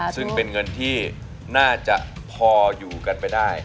ซึ่งเป็นเงินที่น่าจะพออยู่กันไปได้